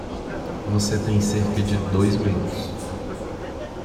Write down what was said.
Você tem cerca de dois minutos.